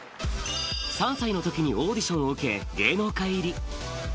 ３歳のときにオーディションを受け、芸能界入り。